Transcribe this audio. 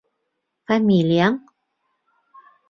Фамилияң?